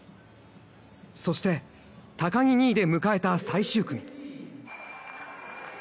そして、高木２位で迎えた最終組。